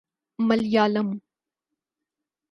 Malayalam